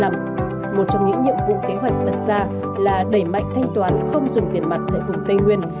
một trong những nhiệm vụ kế hoạch đặt ra là đẩy mạnh thanh toán không dùng tiền mặt tại vùng tây nguyên